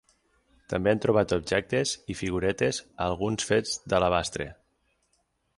També han trobat objectes i figuretes, alguns fets d'alabastre.